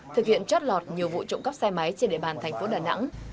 thực hiện trót lọt nhiều vụ trộm cắp xe máy trên địa bàn thành phố đà nẵng